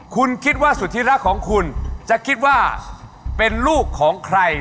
คุณคิดว่าสุธิรักของคุณจะคิดว่าเป็นลูกของใคร